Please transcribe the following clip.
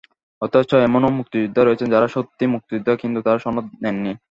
অথচ এমনও মুক্তিযোদ্ধা রয়েছেন, যাঁরা সত্যিই মুক্তিযোদ্ধা কিন্তু তাঁরা সনদ নেননি।